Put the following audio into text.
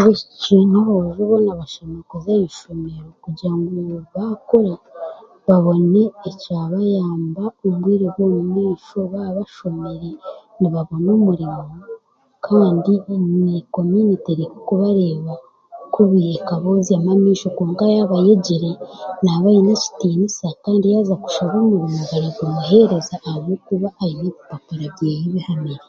abaishiki n'aboojo boona bashemereire kuza aha ishomero baakura babone ekyabayamba omu bwire bw'omumaisho baaba bashomire nibabona omurimo kandi omu komunite tibarabarenzyamu amaisho kwonka yaaba ayegire, naaba aine ekitiinisa kandi yaaza kushaba omurimo baragumuheereza ahabwokuba aine ebipapura byeye bihamire